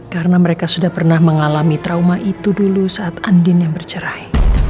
karena mereka sudah pernah mengalami trauma itu dulu saat andin yang bercerai